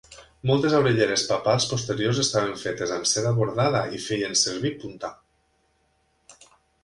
Moltes orelleres papals posteriors estaven fetes amb seda bordada i feien servir punta.